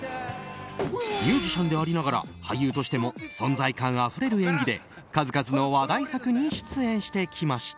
ミュージシャンでありながら俳優としても存在感あふれる演技で数々の話題作に出演してきました。